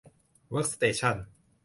เวิร์คสเตชั่น